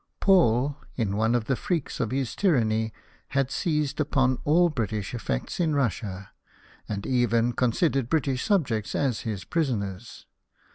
Paul, in one of the freaks of his tyranny, had seized upon all the British efi:ects in Russia, and even considered British subjects as his prisoners.